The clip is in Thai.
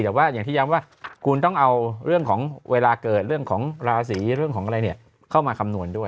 แต่ว่าอย่างที่ย้ำว่าคุณต้องเอาเรื่องของเวลาเกิดเรื่องของราศีเรื่องของอะไรเนี่ยเข้ามาคำนวณด้วย